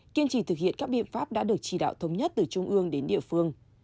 kiên trì thực hiện các biện pháp đã được chỉ đạo thống nhất từ trung ương đến địa phương